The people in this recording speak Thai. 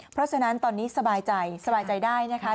เพราะฉะนั้นตอนนี้สบายใจสบายใจได้นะคะ